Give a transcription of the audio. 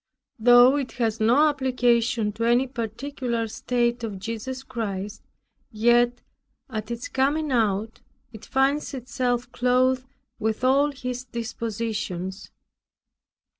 Though it has no application to any particular state of Jesus Christ; yet, at its coming out, it finds itself clothed with all His dispositions.